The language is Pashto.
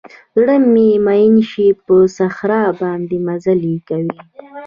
زړه چې مئین شي په صحرا باندې مزلې کوي